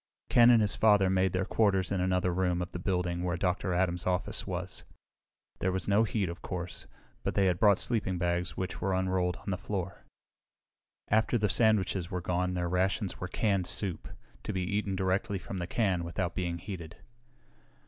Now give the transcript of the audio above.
Ken and his father made their quarters in another room of the building where Dr. Adams' office was. There was no heat, of course, but they had brought sleeping bags which were unrolled on the floor. After the sandwiches were gone their rations were canned soup, to be eaten directly from the can without being heated.